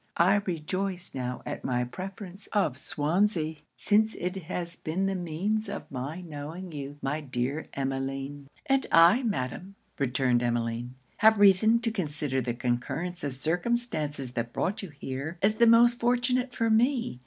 I rejoice now at my preference of Swansea, since it has been the means of my knowing you, my dear Emmeline.' 'And I, Madam,' returned Emmeline, 'have reason to consider the concurrence of circumstances that brought you here as the most fortunate for me.